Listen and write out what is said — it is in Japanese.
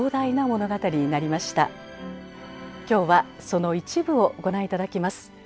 今日はその一部をご覧頂きます。